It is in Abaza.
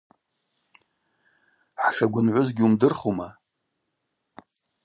Хӏшагвынгӏвыз гьуымдырхума?